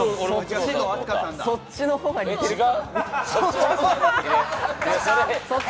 そっちの方が似てるかな。